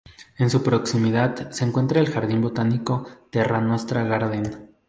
En su proximidad se encuentra el Jardín Botánico Terra Nostra Garden.